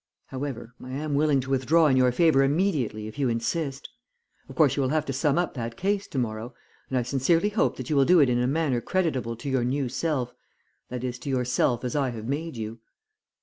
However, I am willing to withdraw in your favour immediately if you insist. Of course you will have to sum up that case to morrow, and I sincerely hope that you will do it in a manner creditable to your new self, that is to yourself as I have made you.'